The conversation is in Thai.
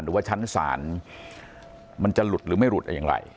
หรือว่าชั้นศาลมันจะหลุดหรือไม่หลุดอย่างไร